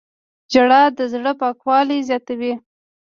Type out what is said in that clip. • ژړا د زړه پاکوالی زیاتوي.